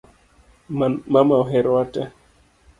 Mama oherowa te